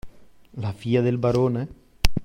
La figlia del barone?